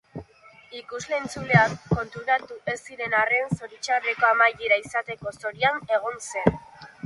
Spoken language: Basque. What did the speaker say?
Ikus-entzuleak konturatu ez ziren arren, zoritxarreko amaiera izateko zorian egon zen.